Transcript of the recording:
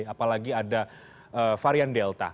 apalagi ada varian delta